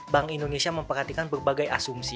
bank indonesia memperhatikan berbagai asumsi